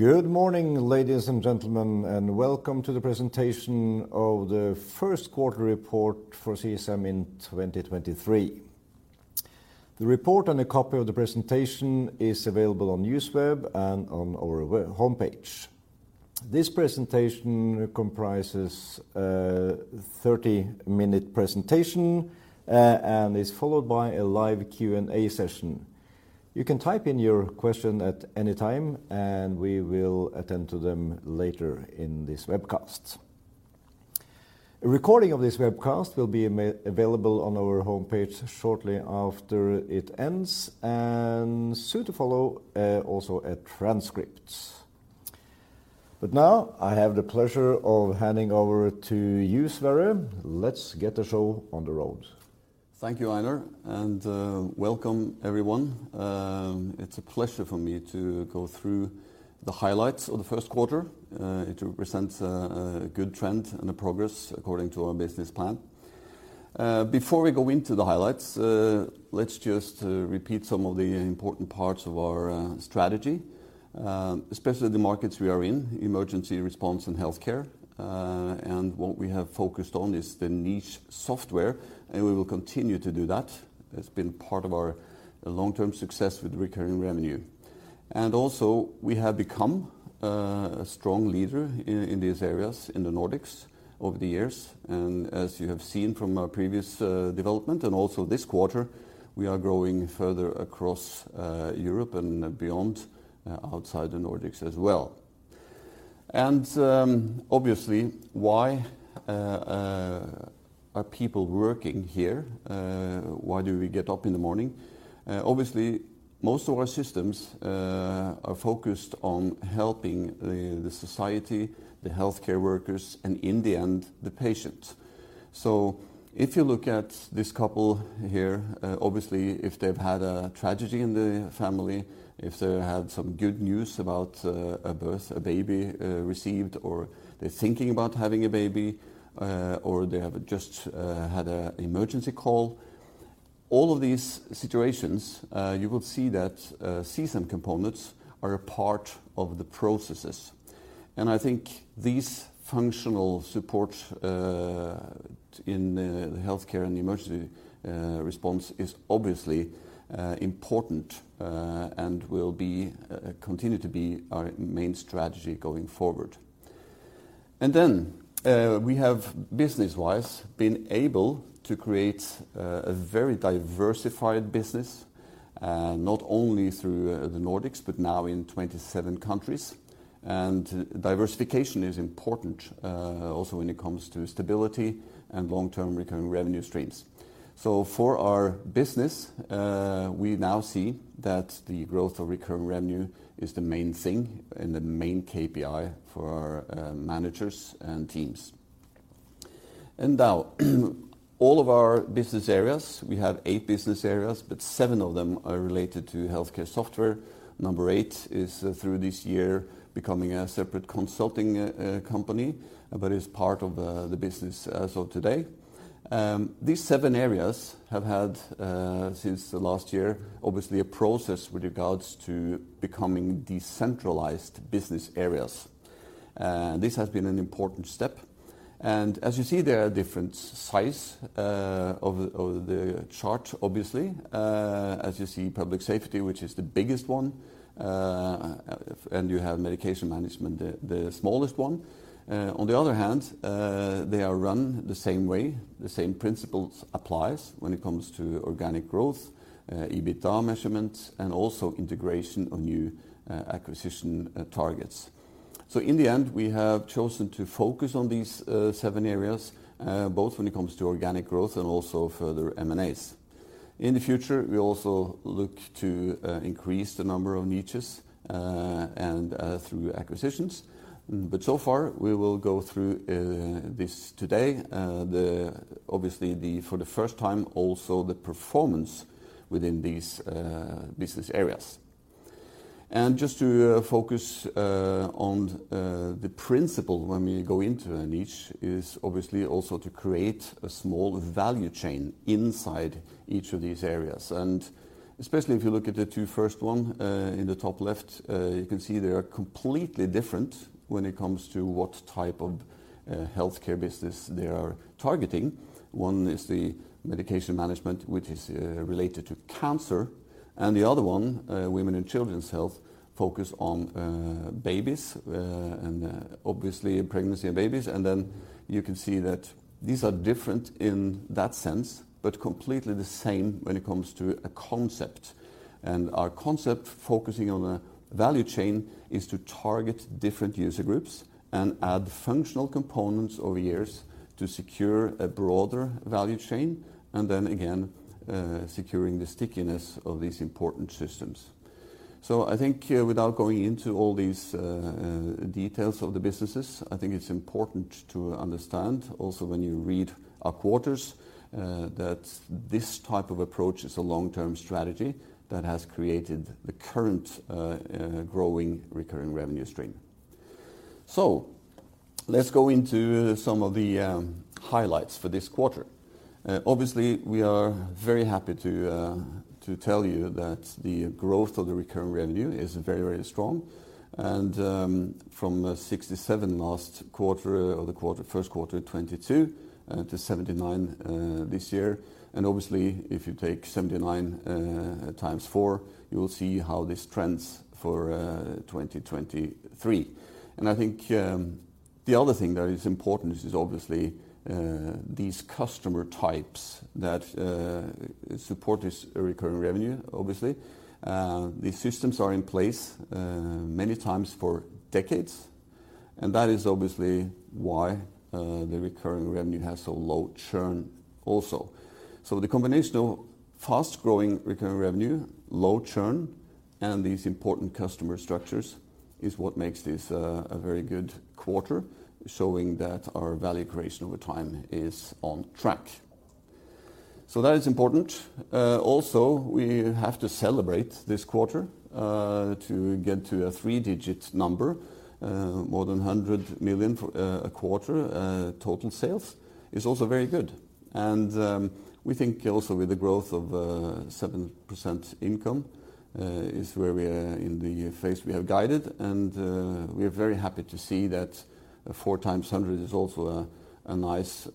Good morning, ladies and gentlemen, welcome to the presentation of the first quarter report for CSAM in 2023. The report and a copy of the presentation is available on Newsweb and on our homepage. This presentation comprises a 30-minute presentation and is followed by a live Q&A session. You can type in your question at any time, and we will attend to them later in this webcast. A recording of this webcast will be available on our homepage shortly after it ends and soon to follow, also a transcript. Now I have the pleasure of handing over to you, Sverre. Let's get the show on the road. Thank you, Einar. Welcome, everyone. It's a pleasure for me to go through the highlights of the first quarter. It represents a good trend and a progress according to our business plan. Before we go into the highlights, let's just repeat some of the important parts of our strategy, especially the markets we are in, emergency response and healthcare. What we have focused on is the niche software, and we will continue to do that. It's been part of our long-term success with recurring revenue. Also, we have become a strong leader in these areas in the Nordics over the years. As you have seen from our previous development and also this quarter, we are growing further across Europe and beyond, outside the Nordics as well. Obviously, why are people working here? Why do we get up in the morning? Obviously, most of our systems are focused on helping the society, the healthcare workers, and in the end, the patients. If you look at this couple here, obviously, if they've had a tragedy in the family, if they had some good news about a birth, a baby, received, or they're thinking about having a baby, or they have just had a emergency call, all of these situations, you will see that CSAM components are a part of the processes. I think these functional support in the healthcare and emergency response is obviously important and will be continue to be our main strategy going forward. We have business-wise been able to create a very diversified business, not only through the Nordics, but now in 27 countries. Diversification is important also when it comes to stability and long-term recurring revenue streams. For our business, we now see that the growth of recurring revenue is the main thing and the main KPI for our managers and teams. All of our business areas, we have eight business areas, but seven of them are related to healthcare software. Number eight is through this year becoming a separate consulting company, but is part of the business as of today. These seven areas have had since the last year, obviously a process with regards to becoming decentralized business areas. This has been an important step. As you see, there are different size of the chart, obviously. As you see Public Safety, which is the biggest one, and you have Medication Management, the smallest one. On the other hand, they are run the same way. The same principles applies when it comes to organic growth, EBITDA measurements, and also integration of new acquisition targets. In the end, we have chosen to focus on these seven areas, both when it comes to organic growth and also further M&As. In the future, we also look to increase the number of niches and through acquisitions. So far, we will go through this today, obviously the, for the first time, also the performance within these business areas. Just to focus on the principle when we go into a niche is obviously also to create a small value chain inside each of these areas. Especially if you look at the two first one in the top left, you can see they are completely different when it comes to what type of healthcare business they are targeting. One is the Medication Management, which is related to cancer, the other one, Women and Children's Health, focus on babies and obviously pregnancy and babies. You can see that these are different in that sense, but completely the same when it comes to a concept. Our concept focusing on a value chain is to target different user groups and add functional components over years to secure a broader value chain, and then again, securing the stickiness of these important systems. I think, without going into all these details of the businesses, I think it's important to understand also when you read our quarters, that this type of approach is a long-term strategy that has created the current growing recurring revenue stream. Let's go into some of the highlights for this quarter. Obviously, we are very happy to tell you that the growth of the recurring revenue is very, very strong. From 67% last quarter or the first quarter 2022, to 79%, this year. Obviously, if you take 79 times four, you will see how this trends for 2023. I think the other thing that is important is obviously these customer types that support this recurring revenue, obviously. These systems are in place many times for decades, and that is obviously why the recurring revenue has a low churn also. The combination of fast-growing recurring revenue, low churn, and these important customer structures is what makes this a very good quarter, showing that our value creation over time is on track. That is important. Also we have to celebrate this quarter to get to a three-digit number, more than 100 million for a quarter. Total sales is also very good. We think also with the growth of 7% income is where we are in the phase we have guided. We are very happy to see that four times 100 is also a nice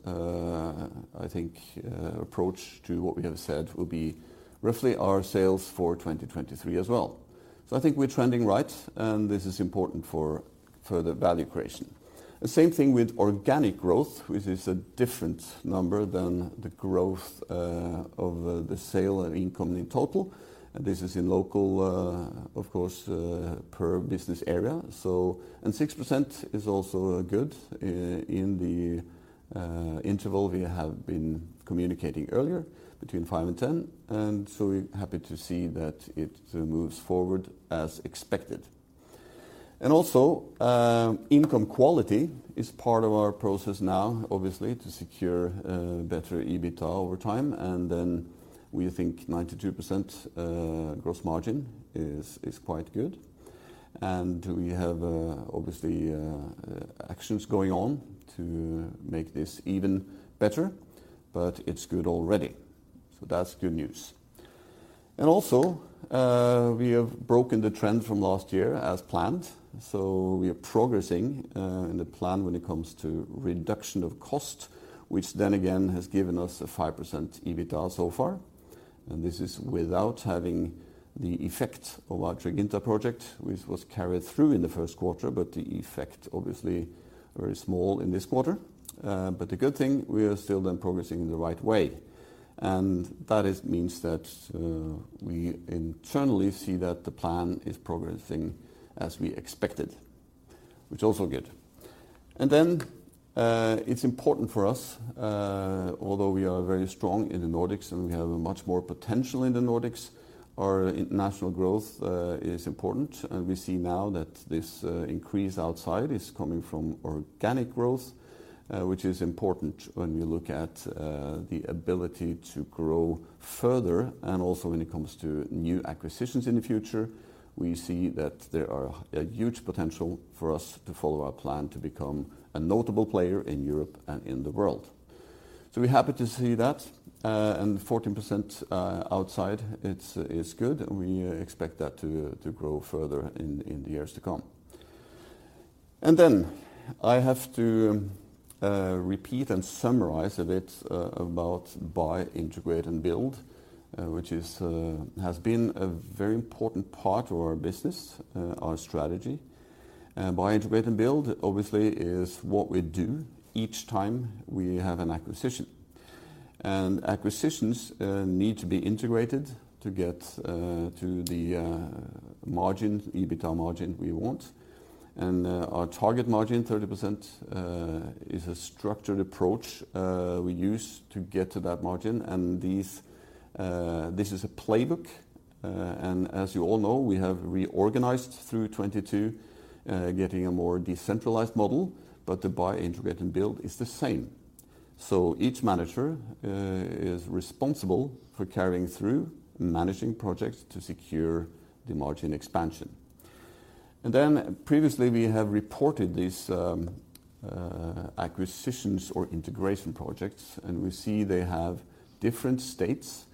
approach to what we have said will be roughly our sales for 2023 as well. I think we're trending right, and this is important for further value creation. The same thing with organic growth, which is a different number than the growth of the sale and income in total. This is in local, of course, per business area. 6% is also good in the interval we have been communicating earlier, between five and 10. We're happy to see that it moves forward as expected. Income quality is part of our process now, obviously, to secure better EBITA over time. We think 92% gross margin is quite good. We have, obviously, actions going on to make this even better, but it's good already. That's good news. We have broken the trend from last year as planned. We are progressing in the plan when it comes to reduction of cost, which then again has given us a 5% EBITA so far. This is without having the effect of our Triginta Project, which was carried through in the 1st quarter. The effect, obviously, very small in this quarter. The good thing, we are still then progressing in the right way. That means that we internally see that the plan is progressing as we expected, which also good. It's important for us, although we are very strong in the Nordics, and we have much more potential in the Nordics, our international growth is important. We see now that this increase outside is coming from organic growth, which is important when we look at the ability to grow further and also when it comes to new acquisitions in the future. We see that there are a huge potential for us to follow our plan to become a notable player in Europe and in the world. We're happy to see that. 14% outside it's good. We expect that to grow further in the years to come. Then I have to repeat and summarize a bit about buy, integrate, and build, which is has been a very important part of our business, our strategy. Buy, integrate, and build, obviously, is what we do each time we have an acquisition. Acquisitions need to be integrated to get to the margin, EBITA margin we want. Our target margin, 30%, is a structured approach we use to get to that margin. This is a playbook. As you all know, we have reorganized through 2022, getting a more decentralized model, but the buy, integrate, and build is the same. Each manager is responsible for carrying through managing projects to secure the margin expansion. Previously we have reported these acquisitions or integration projects, and we see they have different states,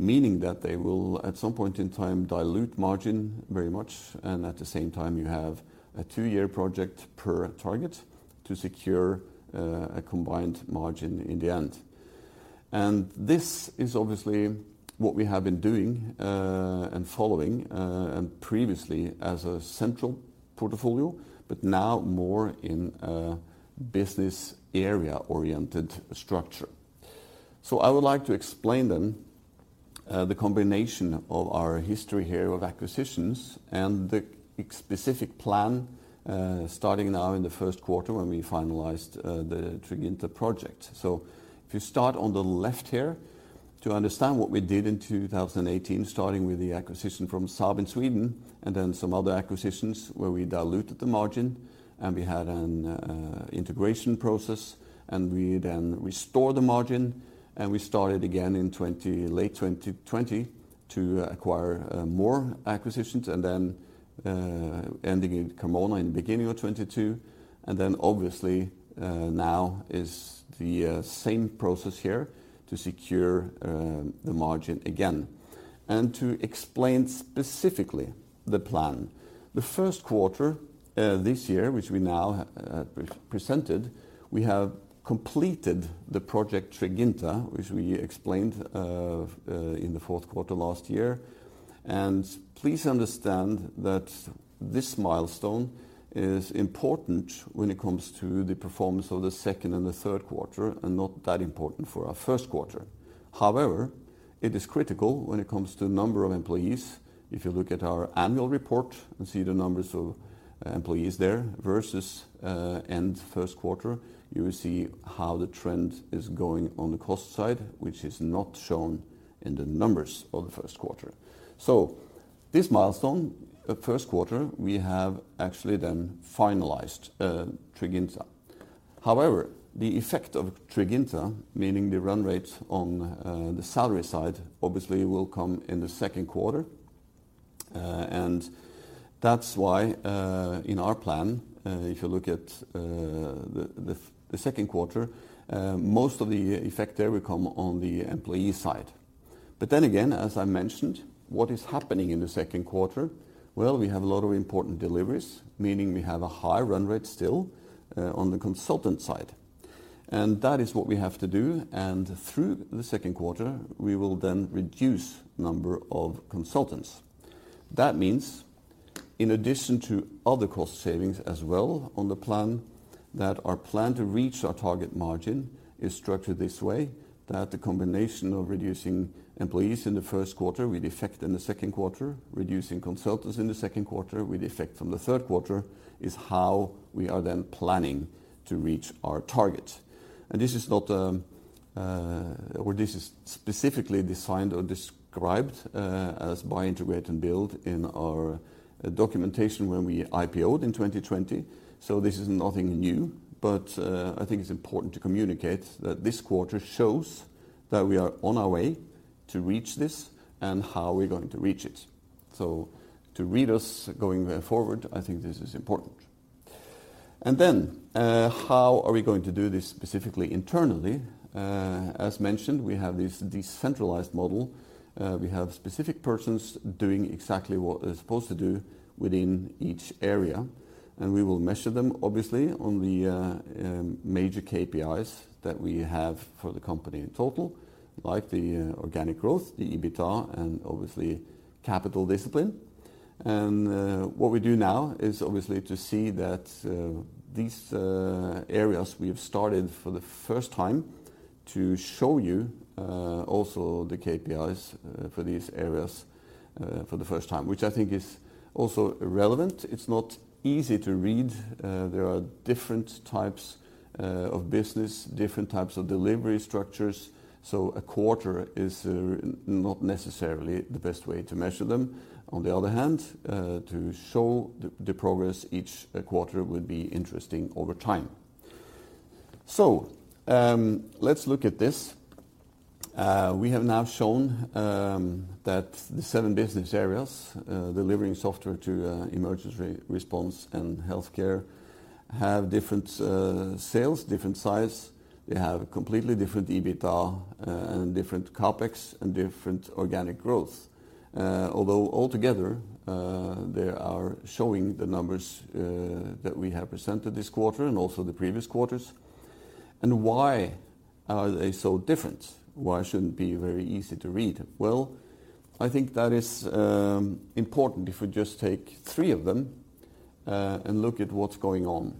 meaning that they will, at some point in time, dilute margin very much. At the same time, you have a two-year project per target to secure a combined margin in the end. This is obviously what we have been doing and following and previously as a central portfolio, but now more in a business area-oriented structure. I would like to explain then the combination of our history here of acquisitions and the specific plan starting now in the first quarter when we finalized the Triginta Project. If you start on the left here. To understand what we did in 2018, starting with the acquisition from Saab in Sweden, then some other acquisitions where we diluted the margin, and we had an integration process, we then restored the margin, we started again in late 2020 to acquire more acquisitions, then ending in Carmona in the beginning of 2022. Obviously, now is the same process here to secure the margin again. To explain specifically the plan. The first quarter this year, which we now have presented, we have completed the project Triginta, which we explained in the fourth quarter last year. Please understand that this milestone is important when it comes to the performance of the second and the third quarter, and not that important for our first quarter. However, it is critical when it comes to number of employees. If you look at our annual report and see the numbers of employees there versus end first quarter, you will see how the trend is going on the cost side, which is not shown in the numbers of the first quarter. This milestone, the first quarter, we have actually then finalized Triginta. However, the effect of Triginta, meaning the run rate on the salary side, obviously will come in the second quarter. That's why in our plan, if you look at the second quarter, most of the effect there will come on the employee side. As I mentioned, what is happening in the second quarter? We have a lot of important deliveries, meaning we have a high run rate still on the consultant side. Through the second quarter, we will then reduce number of consultants. That means in addition to other cost savings as well on the plan, that our plan to reach our target margin is structured this way, that the combination of reducing employees in the first quarter with effect in the second quarter, reducing consultants in the second quarter with effect from the third quarter, is how we are then planning to reach our target. This is specifically designed or described as buy, integrate, and build in our documentation when we IPO'd in 2020. This is nothing new, but I think it's important to communicate that this quarter shows that we are on our way to reach this and how we're going to reach it. To read us going forward, I think this is important. Then how are we going to do this specifically internally? As mentioned, we have this decentralized model. We have specific persons doing exactly what they're supposed to do within each area, and we will measure them obviously on the major KPIs that we have for the company in total, like the organic growth, the EBITDA, and obviously capital discipline. What we do now is obviously to see that these areas we have started for the first time to show you also the KPIs for these areas for the first time, which I think is also relevant. It's not easy to read. There are different types of business, different types of delivery structures, so a quarter is not necessarily the best way to measure them. On the other hand, to show the progress each quarter would be interesting over time. Let's look at this. We have now shown that the seven business areas delivering software to emergency response and healthcare have different sales, different size. They have completely different EBITDA and different CapEx and different organic growth. Although altogether, they are showing the numbers that we have presented this quarter and also the previous quarters. Why are they so different? Why shouldn't it be very easy to read? Well, I think that is important if we just take 3 of them and look at what's going on.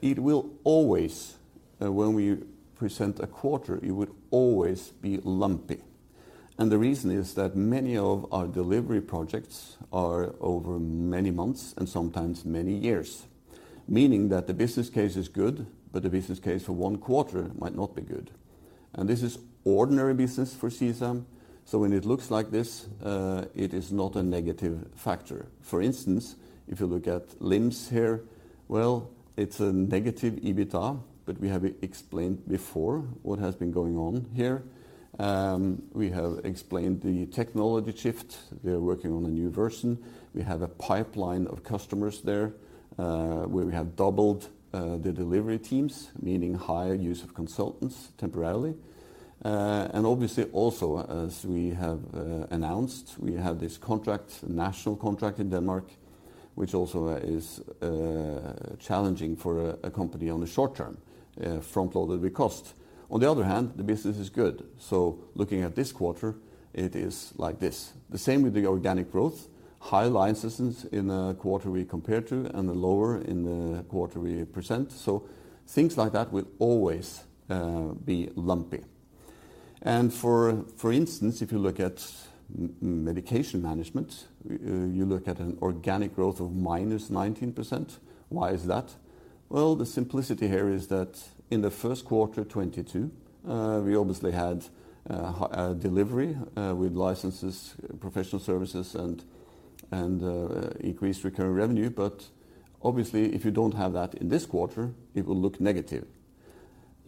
It will always, when we present a quarter, it would always be lumpy. The reason is that many of our delivery projects are over many months and sometimes many years, meaning that the business case is good, but the business case for 1 quarter might not be good. This is ordinary business for CSAM. When it looks like this, it is not a negative factor. For instance, if you look at LIMS here, well, it's a negative EBITDA, but we have explained before what has been going on here. We have explained the technology shift. We are working on a new version. We have a pipeline of customers there, where we have doubled the delivery teams, meaning higher use of consultants temporarily. And obviously also, as we have announced, we have this contract, national contract in Denmark, which also is challenging for a company on the short term, front-loaded with cost. On the other hand, the business is good. Looking at this quarter, it is like this. The same with the organic growth, high license in the quarter we compare to and the lower in the quarter we present. Things like that will always be lumpy. For instance, if you look at Medication Management, you look at an organic growth of -19%. Why is that? Well, the simplicity here is that in the first quarter of 2022, we obviously had a delivery with licenses, professional services, and increased recurring revenue. Obviously, if you don't have that in this quarter, it will look negative.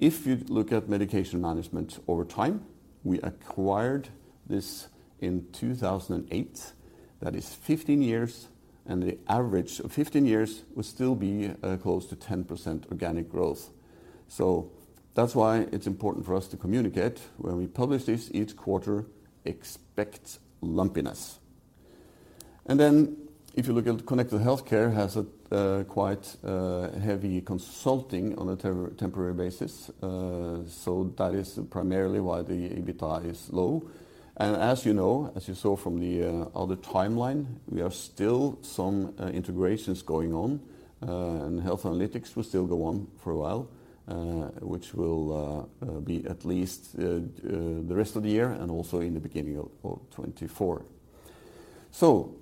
If you look at Medication Management over time, we acquired this in 2008. That is 15 years, and the average of 15 years will still be close to 10% organic growth. That's why it's important for us to communicate when we publish this each quarter, expect lumpiness. Then if you look at Connected Healthcare has a quite heavy consulting on a temporary basis. That is primarily why the EBITA is low. As you know, as you saw from the other timeline, we have still some integrations going on. Health Analytics will still go on for a while, which will be at least the rest of the year and also in the beginning of 2024.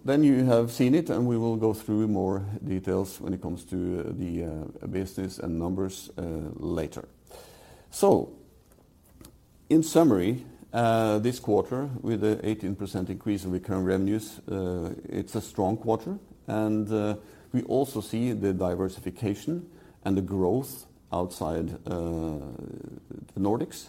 Then you have seen it, and we will go through more details when it comes to the business and numbers later. In summary, this quarter, with an 18% increase in recurring revenues, it's a strong quarter. We also see the diversification and the growth outside the Nordics.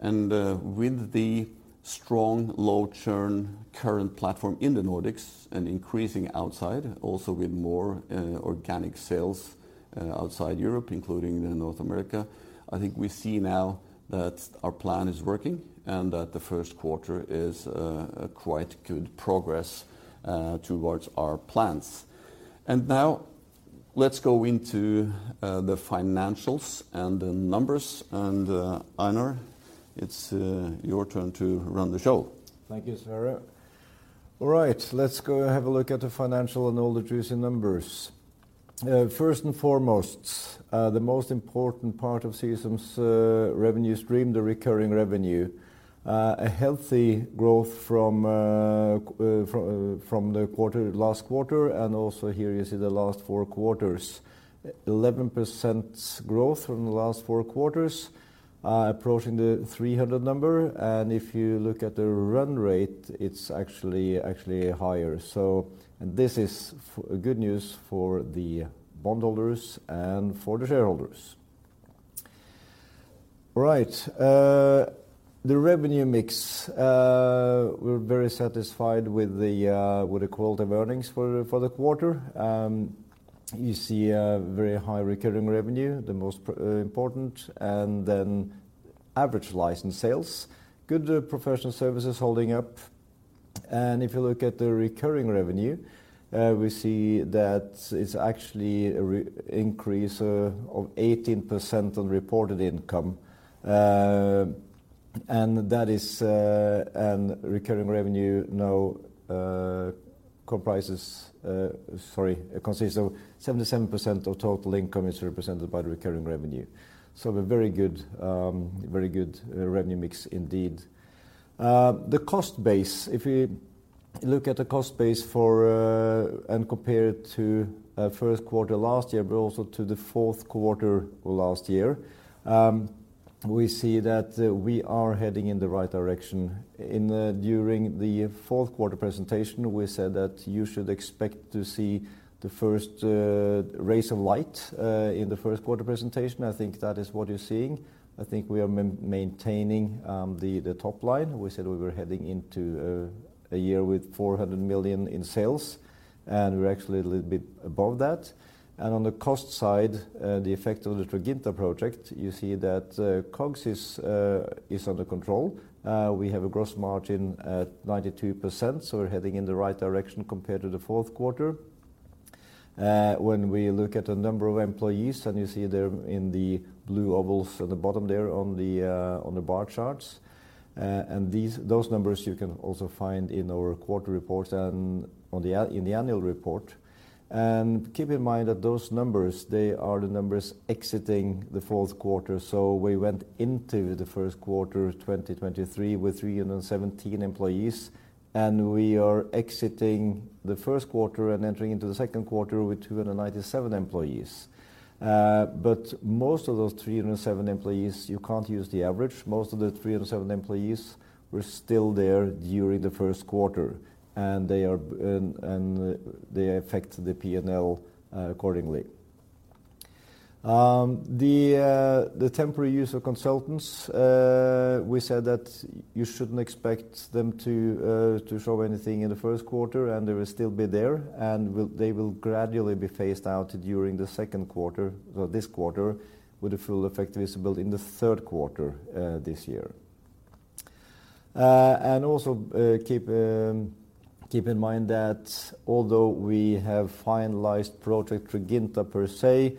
With the strong low churn current platform in the Nordics and increasing outside, also with more organic sales outside Europe, including in North America, I think we see now that our plan is working and that the first quarter is a quite good progress towards our plans. Now let's go into the financials and the numbers. Einar, it's your turn to run the show. Thank you, Sverre. All right. Let's go have a look at the financial and all the juicy numbers. First and foremost, the most important part of CSAM's revenue stream, the recurring revenue. A healthy growth from the quarter, last quarter, and also here you see the last four quarters. 11% growth from the last four quarters, approaching the 300 million number. If you look at the run rate, it's actually higher. This is good news for the bondholders and for the shareholders. Right. The revenue mix, we're very satisfied with the quality of earnings for the quarter. You see a very high recurring revenue, the most important, and then average license sales. Good professional services holding up. If you look at the recurring revenue, we see that it's actually an increase of 18% on reported income. And that is, and recurring revenue now consists of 77% of total income is represented by the recurring revenue. A very good, very good revenue mix indeed. The cost base. If you look at the cost base for and compare it to first quarter last year, but also to the fourth quarter last year, we see that we are heading in the right direction. During the fourth quarter presentation, we said that you should expect to see the first raise of light in the first quarter presentation. I think that is what you're seeing. I think we are maintaining the top line. We said we were heading into a year with 400 million in sales, and we're actually a little bit above that. On the cost side, the effect of the Triginta Project, you see that COGS is under control. We have a gross margin at 92%, we're heading in the right direction compared to the fourth quarter. When we look at the number of employees, you see there in the blue ovals at the bottom there on the bar charts, those numbers you can also find in our quarter reports and in the annual report. Keep in mind that those numbers, they are the numbers exiting the fourth quarter. We went into the first quarter of 2023 with 317 employees. We are exiting the first quarter and entering into the second quarter with 297 employees. Most of those 307 employees, you can't use the average. Most of the 307 employees were still there during the first quarter, and they affect the P&L accordingly. The temporary use of consultants, we said that you shouldn't expect them to show anything in the first quarter, and they will still be there, and they will gradually be phased out during the second quarter, so this quarter, with the full effect visible in the third quarter this year. Also, keep in mind that although we have finalized project Triginta per se,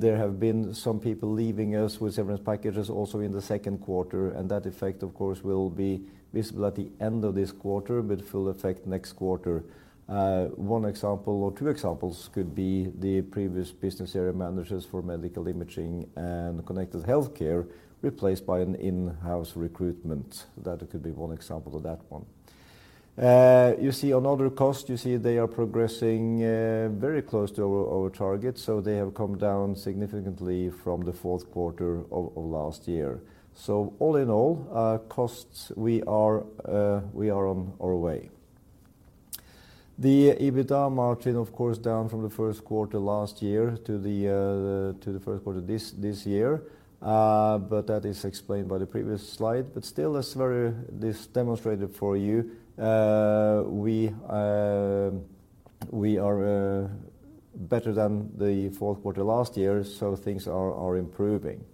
there have been some people leaving us with severance packages also in Q2. That effect, of course, will be visible at the end of this quarter with full effect next quarter. One example or two examples could be the previous business area managers for Medical Imaging and Connected Healthcare replaced by an in-house recruitment. That could be one example of that one. You see on other costs, you see they are progressing, very close to our target, so they have come down significantly from the Q4 of last year. All in all, costs we are on our way. The EBITDA margin, of course, down from the first quarter last year to the first quarter this year. Still it's this demonstrated for you, we are better than the fourth quarter last year, so things are improving.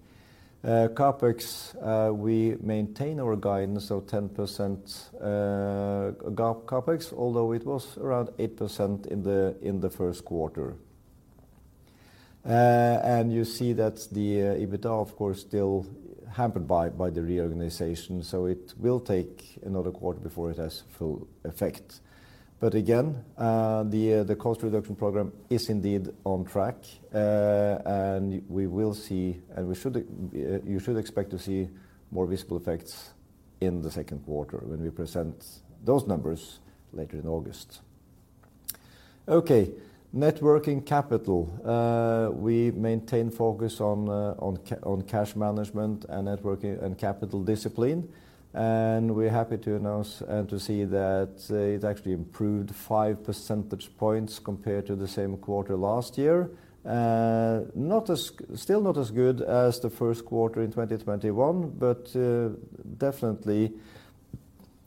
CapEx, we maintain our guidance of 10%, although it was around 8% in the first quarter. You see that the EBITDA, of course, still hampered by the reorganization, so it will take another quarter before it has full effect. Again, the cost reduction program is indeed on track. We will see, and you should expect to see more visible effects in the second quarter when we present those numbers later in August. Okay. Net working capital. We maintain focus on cash management and network and capital discipline. We're happy to announce and to see that it actually improved five percentage points compared to the same quarter last year. Still not as good as the first quarter in 2021, but definitely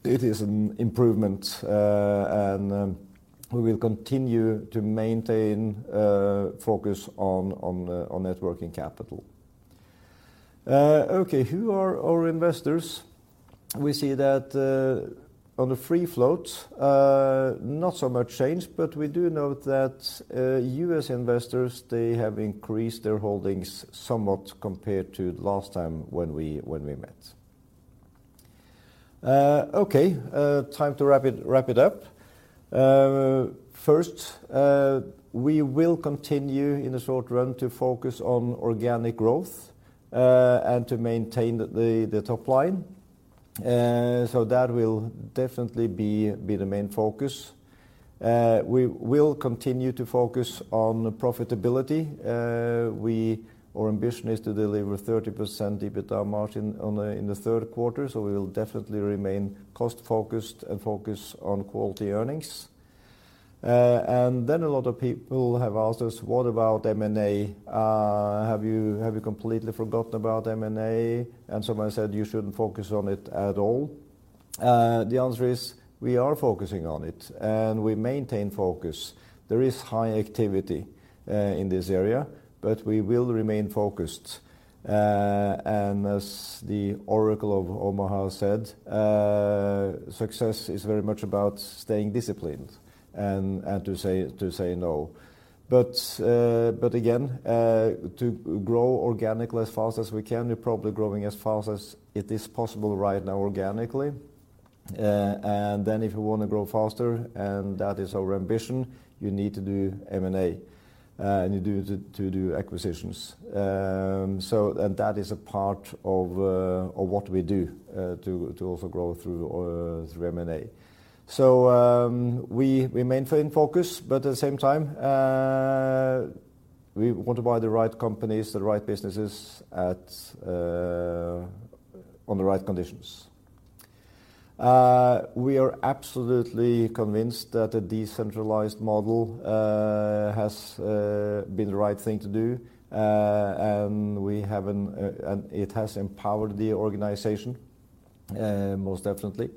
it is an improvement. We will continue to maintain focus on net working capital. Okay, who are our investors? We see that on the free float, not so much change, but we do know that U.S. investors, they have increased their holdings somewhat compared to last time when we met. Okay, time to wrap it up. First, we will continue in the short run to focus on organic growth, and to maintain the top line. That will definitely be the main focus. We will continue to focus on profitability. Our ambition is to deliver 30% EBITDA margin in the third quarter. We will definitely remain cost-focused and focused on quality earnings. Then a lot of people have asked us, "What about M&A? Have you completely forgotten about M&A?" Someone said, "You shouldn't focus on it at all." The answer is, we are focusing on it, and we maintain focus. There is high activity, in this area, but we will remain focused. As the Oracle of Omaha said, "Success is very much about staying disciplined and to say no." But again, to grow organically as fast as we can, we're probably growing as fast as it is possible right now organically. If we want to grow faster, and that is our ambition, you need to do M&A and to do acquisitions. That is a part of what we do to also grow through M&A. We maintain focus, but at the same time, we want to buy the right companies, the right businesses at on the right conditions. We are absolutely convinced that the decentralized model has been the right thing to do. It has empowered the organization most definitely.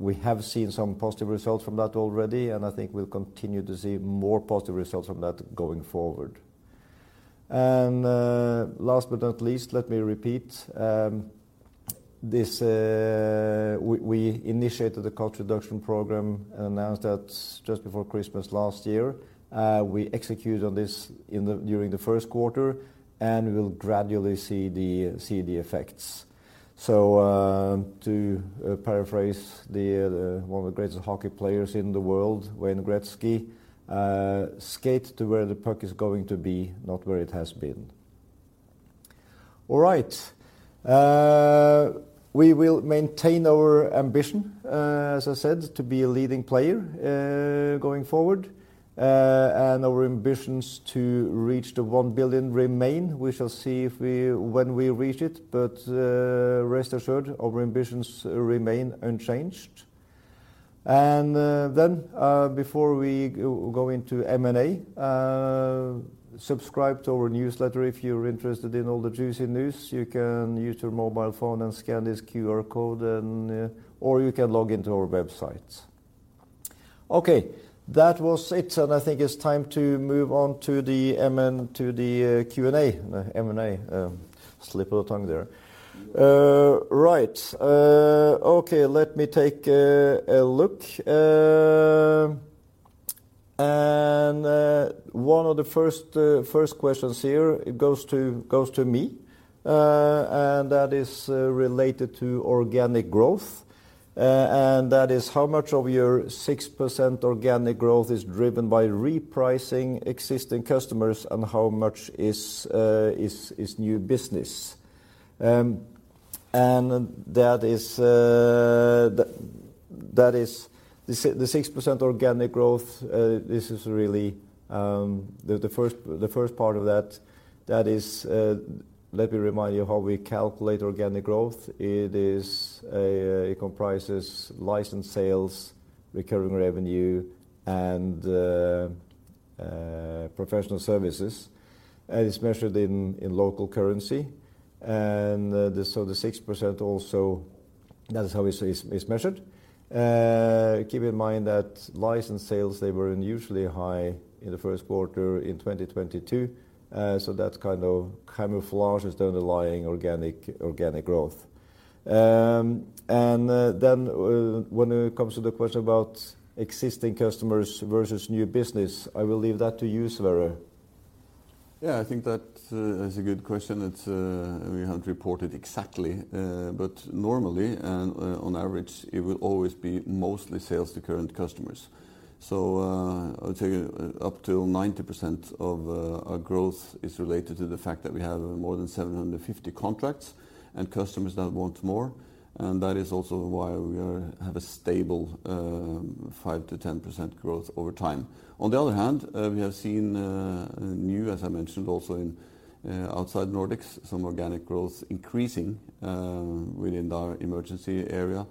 We have seen some positive results from that already, and I think we'll continue to see more positive results from that going forward. Last but not least, let me repeat, this, we initiated the cost reduction program and announced that just before Christmas last year. We execute on this during the first quarter, and we'll gradually see the effects. To paraphrase one of the greatest hockey players in the world, Wayne Gretzky, "Skate to where the puck is going to be, not where it has been." All right. We will maintain our ambition, as I said, to be a leading player going forward. Our ambitions to reach the one billion remain. We shall see if when we reach it, but rest assured our ambitions remain unchanged. Before we go into M&A, subscribe to our newsletter if you're interested in all the juicy news. You can use your mobile phone and scan this QR code. You can log into our website. Okay. That was it, and I think it's time to move on to the Q&A. M&A. Slip of the tongue there. Right. Okay. Let me take a look. One of the first questions here goes to me, and that is related to organic growth. How much of your 6% organic growth is driven by repricing existing customers, and how much is new business? That is the 6% organic growth. This is really the first part of that is, let me remind you how we calculate organic growth. It comprises license sales, recurring revenue, and professional services, and it's measured in local currency. The 6% also, that's how it's measured. Keep in mind that license sales, they were unusually high in the first quarter in 2022, so that kind of camouflages the underlying organic growth. When it comes to the question about existing customers versus new business, I will leave that to you, Sverre. Yeah, I think that is a good question. It's, we haven't reported exactly, but normally and on average, it will always be mostly sales to current customers. I'll tell you up to 90% of our growth is related to the fact that we have more than 750 contracts and customers that want more, and that is also why we have a stable 5%-10% growth over time. On the other hand, we have seen new, as I mentioned, also in outside Nordics, some organic growth increasing within our emergency area.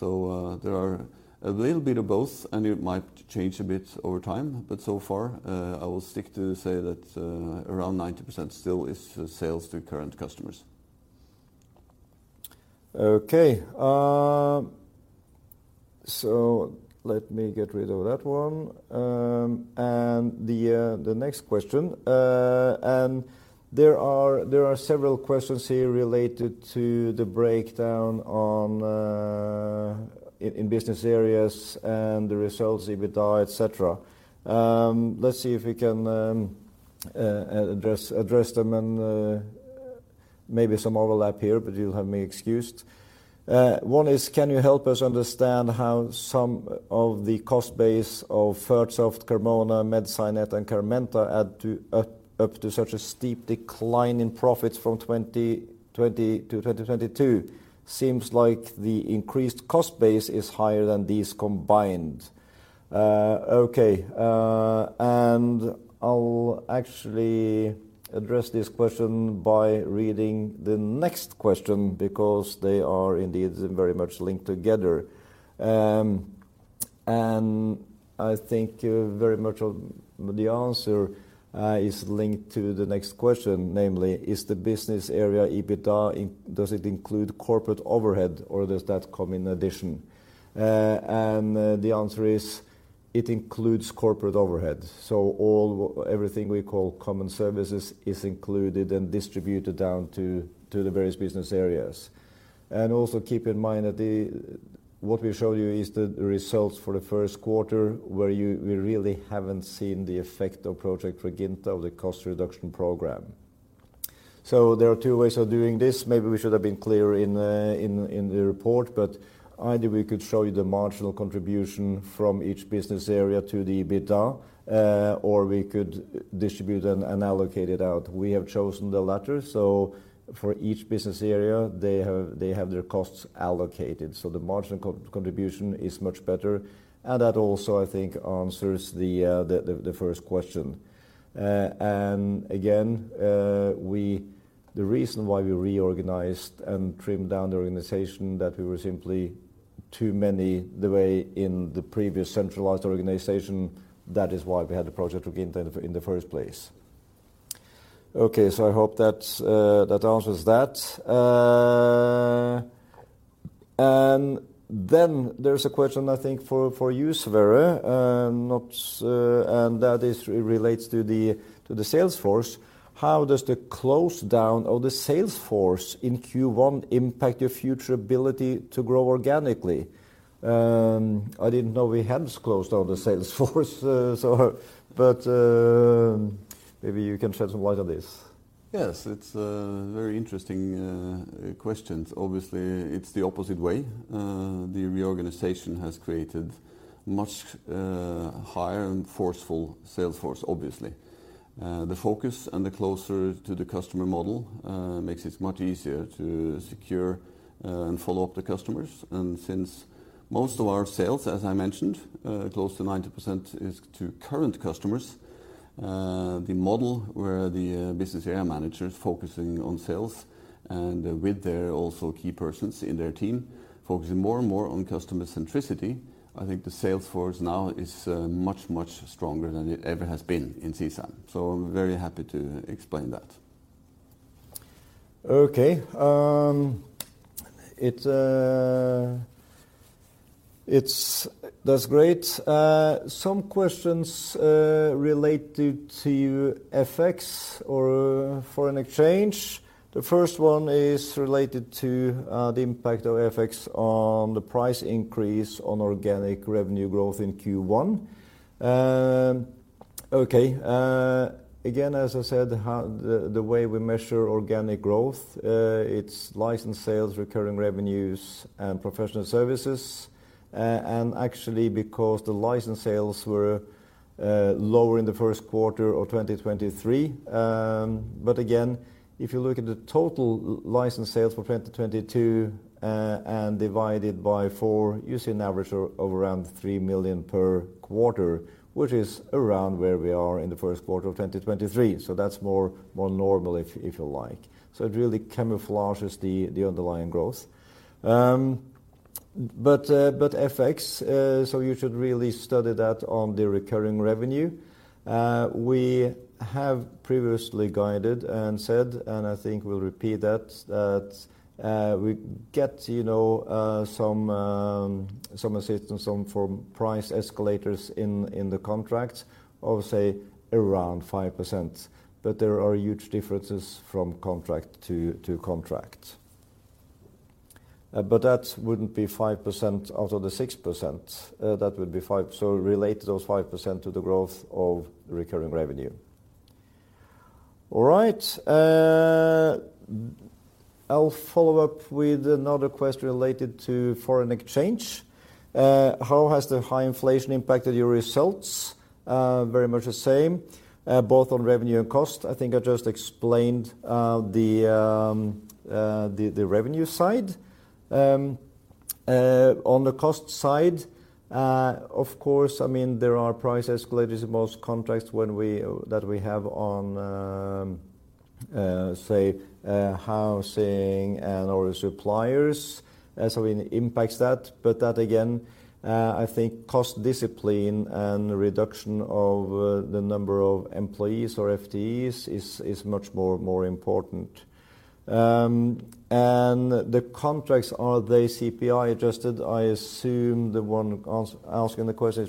There are a little bit of both, and it might change a bit over time. So far, I will stick to say that around 90% still is sales to current customers. Okay. Let me get rid of that one. The next question, and there are several questions here related to the breakdown on in business areas and the results, EBITDA, etc. Let's see if we can address them and maybe some overlap here, but you'll have me excused. One is, can you help us understand how some of the cost base of Fertsoft, Carmona, MedSciNet, and Carmenta up to such a steep decline in profits from 2020 to 2022? Seems like the increased cost base is higher than these combined. Okay. I'll actually address this question by reading the next question because they are indeed very much linked together. I think very much of the answer is linked to the next question, namely, is the business area EBITDA, does it include corporate overhead, or does that come in addition? The answer is, it includes corporate overhead. Everything we call common services is included and distributed down to the various business areas. Also keep in mind that what we show you is the results for the first quarter, where we really haven't seen the effect of Project Triginta of the cost reduction program. There are two ways of doing this. Maybe we should have been clear in the report, but either we could show you the marginal contribution from each business area to the EBITDA, or we could distribute and allocate it out. We have chosen the latter. For each business area, they have their costs allocated, so the marginal co-contribution is much better. That also, I think, answers the first question. Again, the reason why we reorganized and trimmed down the organization that we were simply too many the way in the previous centralized organization, that is why we had the Project Triginta in the first place. I hope that answers that. There's a question, I think, for you, Sverre, not, and that is relates to the sales force. How does the close down of the sales force in Q1 impact your future ability to grow organically? I didn't know we had closed down the sales force, so, but maybe you can shed some light on this. Yes, it's a very interesting question. Obviously, it's the opposite way. The reorganization has created much higher and forceful sales force, obviously. The focus and the closer to the customer model makes it much easier to secure and follow up the customers. Since most of our sales, as I mentioned, close to 90% is to current customers, the model where the business area manager is focusing on sales and with their also key persons in their team, focusing more and more on customer centricity, I think the sales force now is much, much stronger than it ever has been in CSAM. I'm very happy to explain that. Okay. It's that's great. Some questions related to FX or foreign exchange. The first one is related to the impact of FX on the price increase on organic revenue growth in Q1. Okay. Again, as I said, the way we measure organic growth, it's licensed sales, recurring revenues and professional services. Actually because the licensed sales were lower in the first quarter of 2023, but again, if you look at the total licensed sales for 2022, and divide it by four, you see an average of around 3 million per quarter, which is around where we are in the first quarter of 2023. That's more normal if you like. It really camouflages the underlying growth. FX, so you should really study that on the recurring revenue. We have previously guided and said, and I think we'll repeat that, we get, you know, some assistance, some from price escalators in the contracts of, say, around 5%. There are huge differences from contract to contract. That wouldn't be 5% out of the 6%. So relate those 5% to the growth of recurring revenue. All right. I'll follow up with another question related to foreign exchange. How has the high inflation impacted your results? Very much the same, both on revenue and cost. I think I just explained the revenue side. On the cost side, of course, I mean there are price escalators in most contracts when we that we have on say housing and/or suppliers. It impacts that. That again, I think cost discipline and reduction of the number of employees or FTEs is much more important. The contracts, are they CPI-adjusted? I assume the one asking the question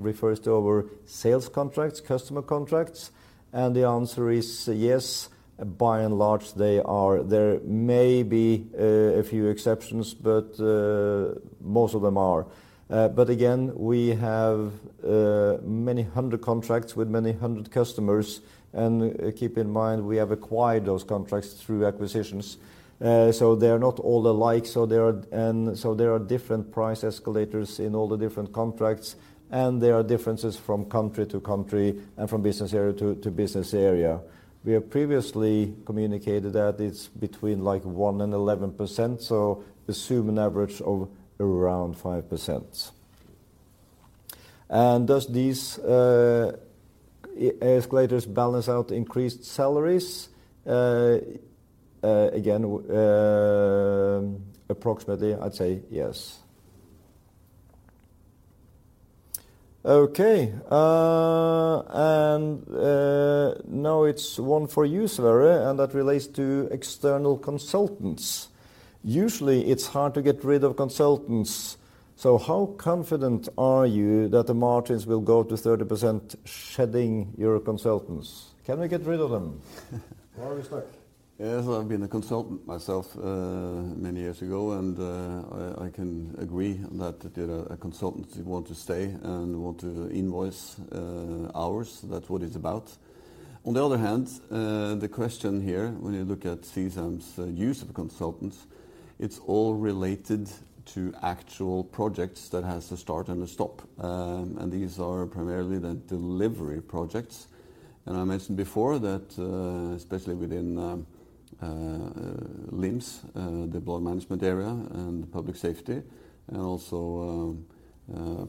refers to our sales contracts, customer contracts, and the answer is yes, by and large, they are. There may be a few exceptions, but most of them are. Again, we have many hundred contracts with many hundred customers, and keep in mind, we have acquired those contracts through acquisitions. They are not all alike. There are different price escalators in all the different contracts, and there are differences from country to country and from business area to business area. We have previously communicated that it's between, like, 1% and 11%, assume an average of around 5%. Do these escalators balance out increased salaries? Again, approximately, I'd say yes. Okay. Now it's one for you, Sverre, and that relates to external consultants. Usually, it's hard to get rid of consultants, how confident are you that the margins will go to 30% shedding your consultants? Can we get rid of them? Are we stuck? Yes, I've been a consultant myself, many years ago, and I can agree that a consultant want to stay and want to invoice hours. That's what it's about. On the other hand, the question here, when you look at CSAM's use of consultants, it's all related to actual projects that has a start and a stop. These are primarily the delivery projects. I mentioned before that especially within LIMS deploy management area and Public Safety, and also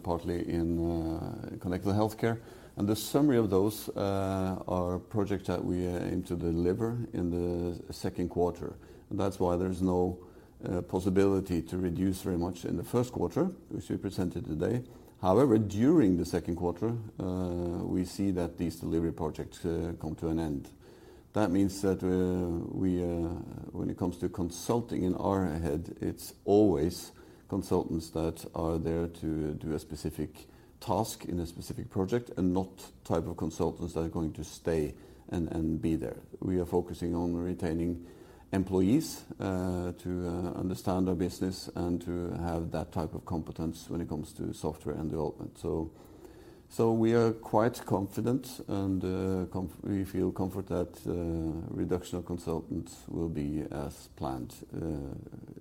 partly in Connected Healthcare. The summary of those are projects that we aim to deliver in the second quarter. That's why there's no possibility to reduce very much in the first quarter, which we presented today. However, during the second quarter, we see that these delivery projects come to an end. That means that, we, when it comes to consulting in our head, it's always consultants that are there to do a specific task in a specific project and not type of consultants that are going to stay and be there. We are focusing on retaining employees, to understand our business and to have that type of competence when it comes to software and development. We are quite confident and, we feel comfort that, reduction of consultants will be as planned,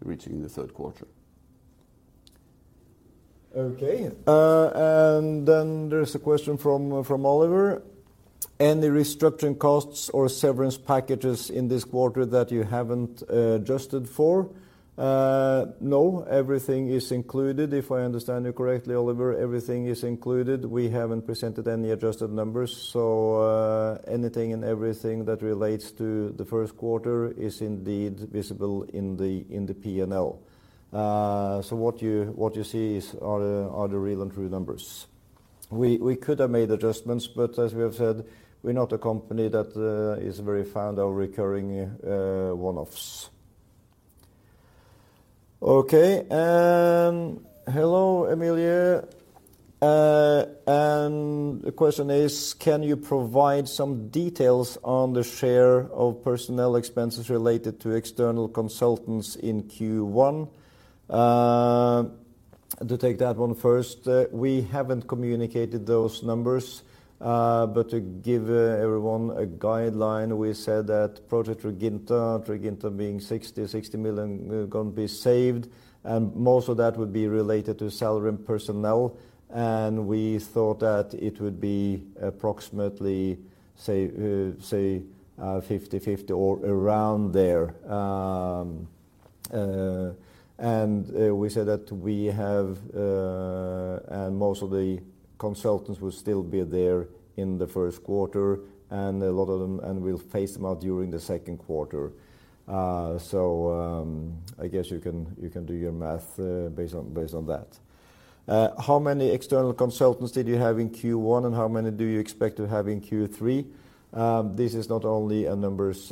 reaching the third quarter. Okay. Then there is a question from Oliver. Any restructuring costs or severance packages in this quarter that you haven't adjusted for? No, everything is included. If I understand you correctly, Oliver, everything is included. We haven't presented any adjusted numbers, anything and everything that relates to the first quarter is indeed visible in the P&L. What you see are the real and true numbers. We could have made adjustments, as we have said, we're not a company that is very fond of recurring one-offs. Okay. Hello, Emilie. To take that one first, we haven't communicated those numbers. But to give everyone a guideline, we said that Project Triginta being 60 million going to be saved, and most of that would be related to salary and personnel. We thought that it would be approximately, say, 50/50 or around there. We said that most of the consultants will still be there in the first quarter, and a lot of them, we'll phase them out during the second quarter. I guess you can do your math based on that. How many external consultants did you have in Q1, and how many do you expect to have in Q3? This is not only a numbers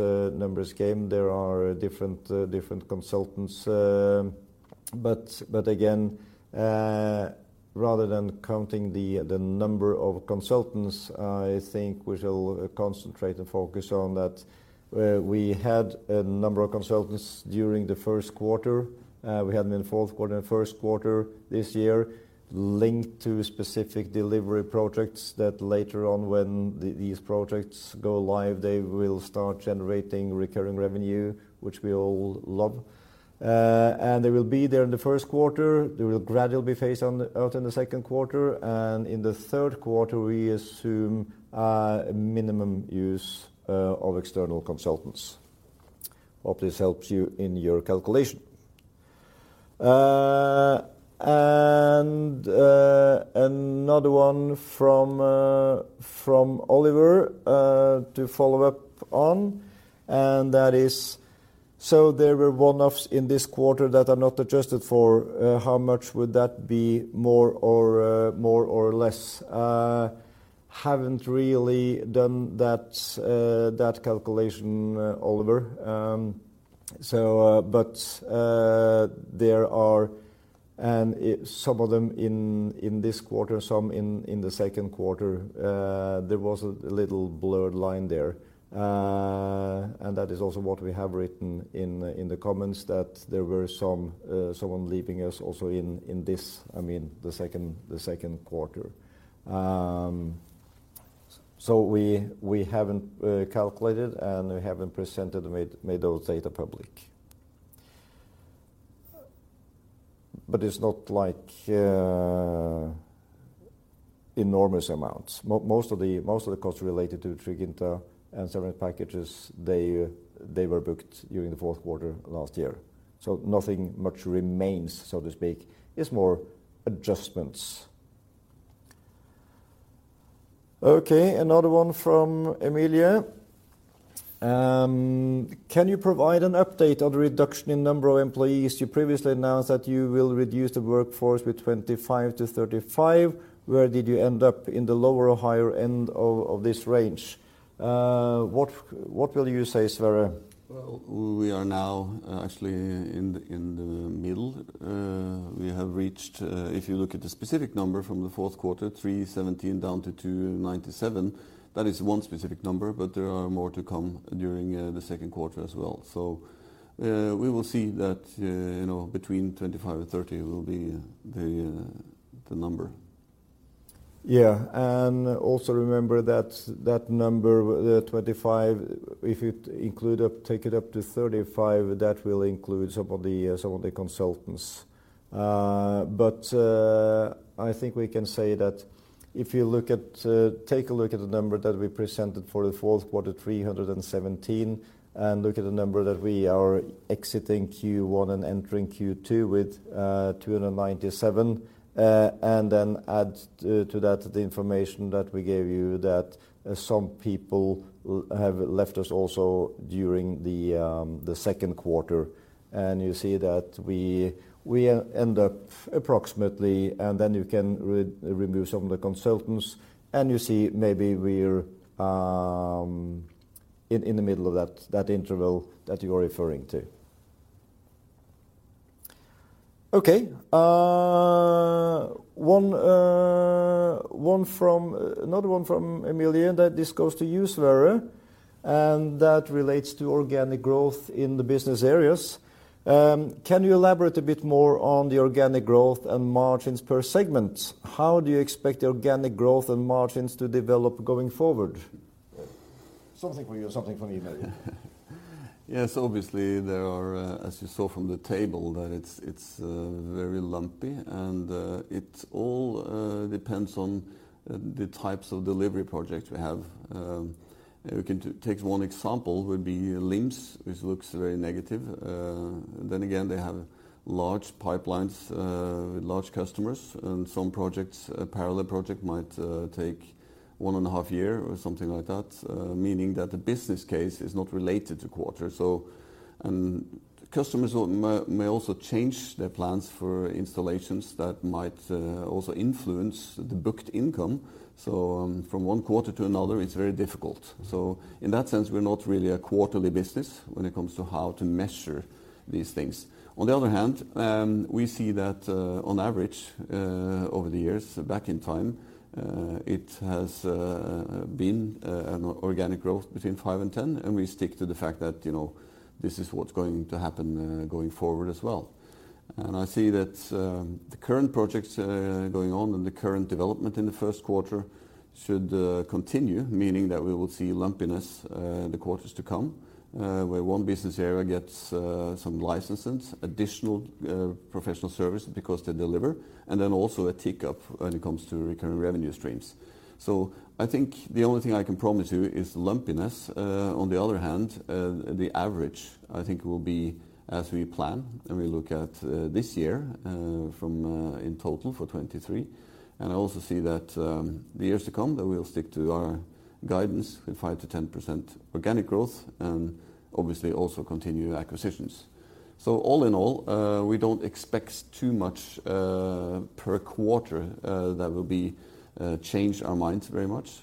game. There are different consultants. Again, rather than counting the number of consultants, I think we shall concentrate and focus on that, we had a number of consultants during the first quarter. We had them in the fourth quarter and first quarter this year linked to specific delivery projects that later on when these projects go live, they will start generating recurring revenue, which we all love. They will be there in the first quarter. They will gradually be phased out in the second quarter. In the third quarter, we assume minimum use of external consultants. Hope this helps you in your calculation. Another one from Oliver to follow up on, and that is, so there were one-offs in this quarter that are not adjusted for, how much would that be more or more or less? Haven't really done that calculation, Oliver. There are, and some of them in this quarter, some in the second quarter, there was a little blurred line there. That is also what we have written in the comments that there were some someone leaving us also in this, I mean, the second quarter. We haven't calculated, and we haven't presented or made those data public. It's not like enormous amounts. Most of the costs related to Triginta and service packages, they were booked during the fourth quarter last year. Nothing much remains, so to speak. It's more adjustments. Okay, another one from Emilia. Can you provide an update on the reduction in number of employees? You previously announced that you will reduce the workforce with 25-35. Where did you end up in the lower or higher end of this range? What will you say, Sverre? Well, we are now actually in the middle. We have reached, if you look at the specific number from the fourth quarter, 317 down to 297. That is one specific number, but there are more to come during the second quarter as well. We will see that, you know, between 25 and 30 will be the number. Yeah. Also remember that number, the 25, if you include take it up to 35, that will include some of the consultants. I think we can say that if you look at take a look at the number that we presented for the fourth quarter, 317, and look at the number that we are exiting Q1 and entering Q2 with 297, and then add to that the information that we gave you that some people have left us also during the second quarter. You see that we end up approximately, you can re-remove some of the consultants, you see maybe we're in the middle of that interval that you are referring to. Okay, one, another one from Emilia, that this goes to you, Sverre, and that relates to organic growth in the business areas. Can you elaborate a bit more on the organic growth and margins per segment? How do you expect the organic growth and margins to develop going forward? Something for you, something for me maybe. Yes. Obviously, there are, as you saw from the table, that it's very lumpy, and it all depends on the types of delivery projects we have. We can take one example would be LIMS, which looks very negative. Then again, they have large pipelines, with large customers, and some projects, a parallel project might take one and a half year or something like that, meaning that the business case is not related to quarter. Customers may also change their plans for installations that might also influence the booked income. From one quarter to another, it's very difficult. In that sense, we're not really a quarterly business when it comes to how to measure these things. On the other hand, we see that on average, over the years back in time, it has been an organic growth between five and 10, we stick to the fact that, you know, this is what's going to happen going forward as well. I see that the current projects going on and the current development in the first quarter should continue, meaning that we will see lumpiness in the quarters to come, where one business area gets some licenses, additional professional service because they deliver, and then also a tick-up when it comes to recurring revenue streams. I think the only thing I can promise you is lumpiness. On the other hand, the average, I think, will be as we plan, and we look at this year, from in total for 2023. I also see that the years to come, that we'll stick to our guidance with 5%-10% organic growth and obviously also continue acquisitions. All in all, we don't expect too much per quarter that will be change our minds very much.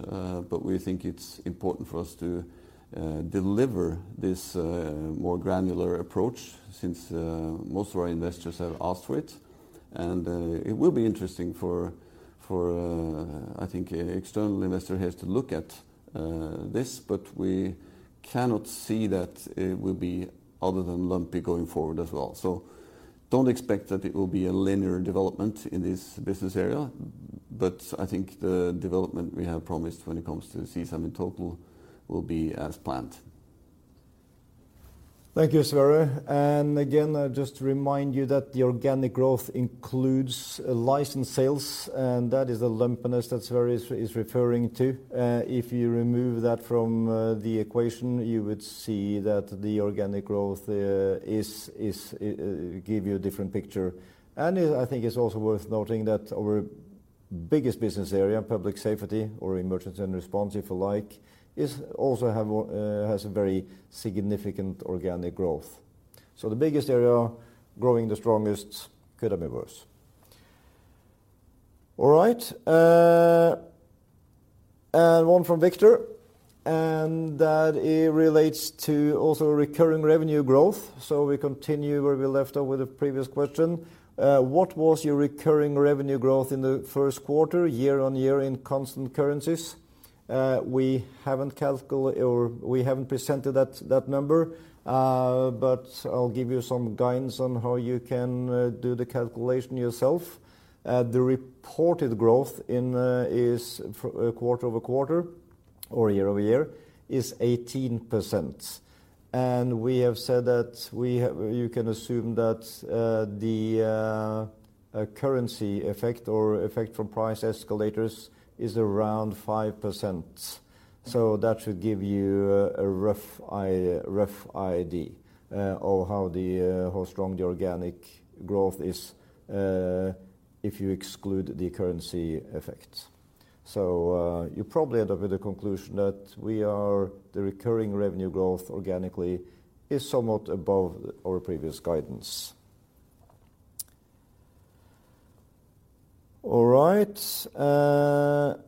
We think it's important for us to deliver this more granular approach since most of our investors have asked for it. It will be interesting for, I think an external investor has to look at this, but we cannot see that it will be other than lumpy going forward as well. Don't expect that it will be a linear development in this business area. I think the development we have promised when it comes to CSAM in total will be as planned. Thank you, Sverre. Again, I just remind you that the organic growth includes license sales, and that is the lumpiness that Sverre is referring to. If you remove that from the equation, you would see that the organic growth give you a different picture. I think it's also worth noting that our biggest business area, Public Safety or emergency and response, if you like, has a very significant organic growth. The biggest area growing the strongest could have been worse. All right, one from Victor, that it relates to also recurring revenue growth. We continue where we left off with the previous question. What was your recurring revenue growth in the first quarter, year-on-year in constant currencies? We haven't presented that number, but I'll give you some guidance on how you can do the calculation yourself. The reported growth in quarter-over-quarter or year-over-year is 18%. We have said that you can assume that the currency effect or effect from price escalators is around 5%. That should give you a rough idea of how the how strong the organic growth is if you exclude the currency effect. You probably end up with the conclusion that we are the recurring revenue growth organically is somewhat above our previous guidance. All right, another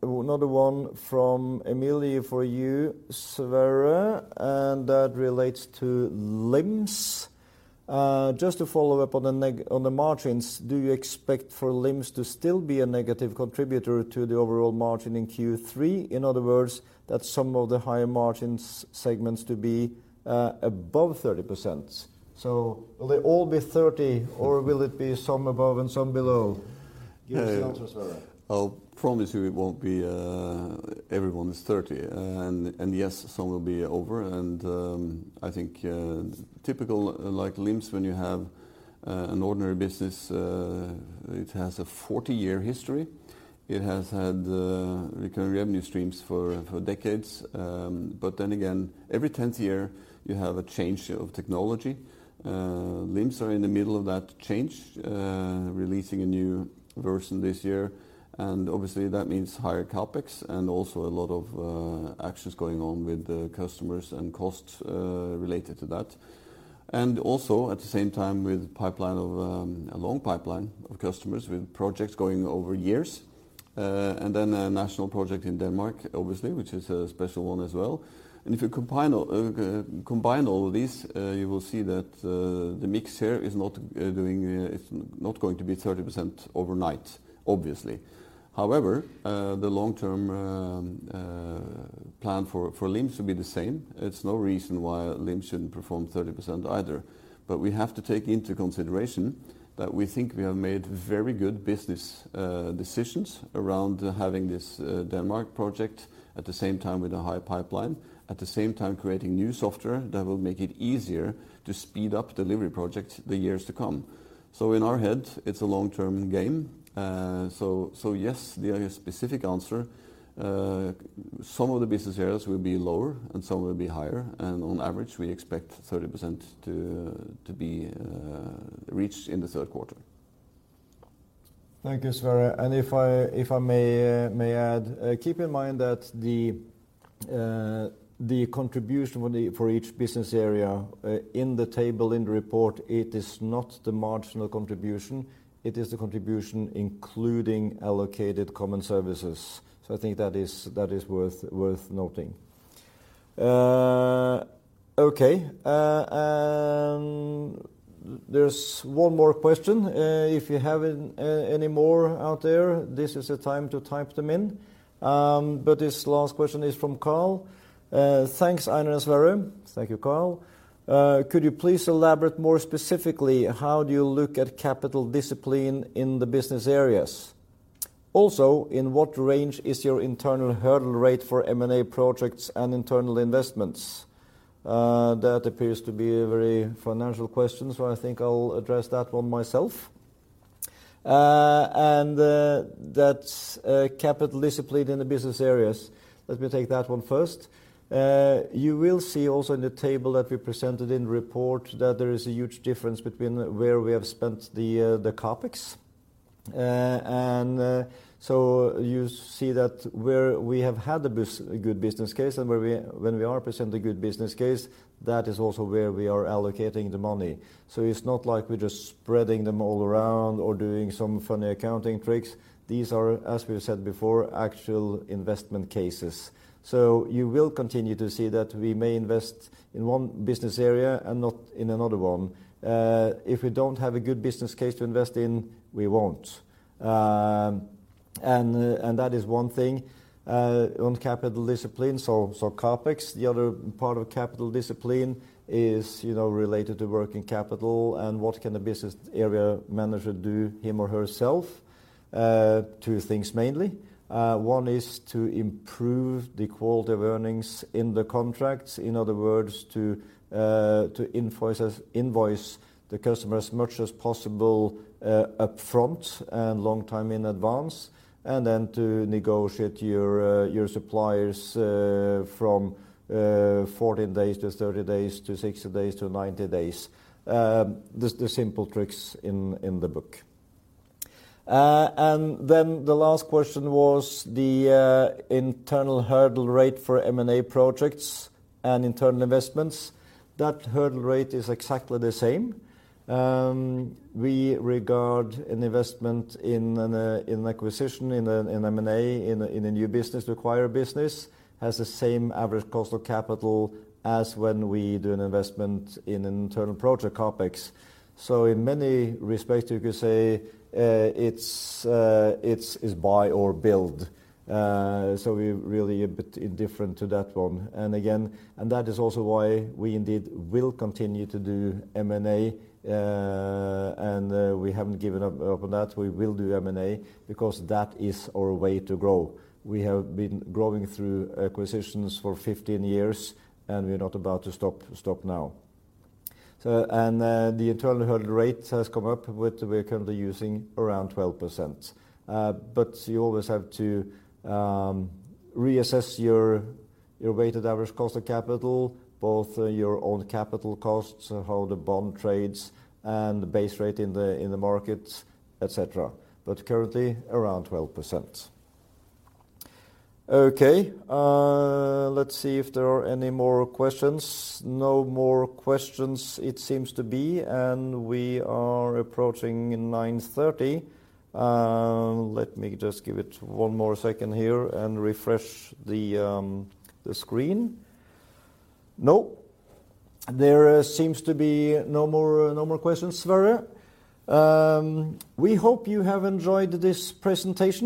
one from Emily for you, Sverre, that relates to LIMS. Just to follow up on the margins, do you expect for LIMS to still be a negative contributor to the overall margin in Q3? In other words, that some of the higher margins segments to be above 30%. Will they all be 30 or will it be some above and some below? Give us the answer, Sverre. I'll promise you it won't be, everyone is 30. Yes, some will be over. I think typical like LIMS, when you have an ordinary business, it has a 40-year history. It has had recurring revenue streams for decades. Again, every 10th year, you have a change of technology. LIMS are in the middle of that change, releasing a new version this year. Obviously, that means higher CapEx and also a lot of actions going on with the customers and costs related to that. Also at the same time, with pipeline of a long pipeline of customers with projects going over years, and then a national project in Denmark, obviously, which is a special one as well. If you combine all, combine all of these, you will see that the mix here is not doing, it's not going to be 30% overnight, obviously. However, the long-term plan for LIMS will be the same. It's no reason why LIMS shouldn't perform 30% either. We have to take into consideration that we think we have made very good business decisions around having this Denmark project at the same time with a high pipeline, at the same time creating new software that will make it easier to speed up delivery projects the years to come. In our head, it's a long-term game. Yes, the specific answer, some of the business areas will be lower and some will be higher, and on average, we expect 30% to be reached in the third quarter. Thank you, Sverre. If I may add, keep in mind that the contribution for each business area in the table in the report, it is not the marginal contribution, it is the contribution including allocated common services. I think that is worth noting. Okay, there's one more question. If you have any more out there, this is the time to type them in. This last question is from Carl. "Thanks, Einar and Sverre." Thank you, Carl. "Could you please elaborate more specifically, how do you look at capital discipline in the business areas? Also, in what range is your internal hurdle rate for M&A projects and internal investments?" That appears to be a very financial question, I think I'll address that one myself. That's capital discipline in the business areas. Let me take that one first. You will see also in the table that we presented in the report that there is a huge difference between where we have spent the CapEx. You see that where we have had a good business case and when we are presenting a good business case, that is also where we are allocating the money. It's not like we're just spreading them all around or doing some funny accounting tricks. These are, as we've said before, actual investment cases. You will continue to see that we may invest in one business area and not in another one. If we don't have a good business case to invest in, we won't. That is one thing on capital discipline, CapEx. The other part of capital discipline is, you know, related to net working capital and what can the business area manager do him or herself. two things mainly. one is to improve the quality of earnings in the contracts. In other words, to invoice the customer as much as possible upfront and long time in advance, and then to negotiate your suppliers from 14 days to 30 days to 60 days to 90 days. Just the simple tricks in the book. The last question was the internal hurdle rate for M&A projects and internal investments. That hurdle rate is exactly the same. We regard an investment in an acquisition, in M&A, in a new business to acquire business, has the same average cost of capital as when we do an investment in an internal project CapEx. In many respects, you could say, it's buy or build. We're really a bit indifferent to that one. Again, that is also why we indeed will continue to do M&A, and we haven't given up on that. We will do M&A because that is our way to grow. We have been growing through acquisitions for 15 years, and we're not about to stop now. The internal hurdle rate has come up with we're currently using around 12%. You always have to reassess your weighted average cost of capital, both your own capital costs and how the bond trades and the base rate in the markets, et cetera. Currently around 12%. Okay, let's see if there are any more questions. No more questions, it seems to be. We are approaching 9:30. Let me just give it one more second here and refresh the screen. No, there seems to be no more questions, Sverre. We hope you have enjoyed this presentation.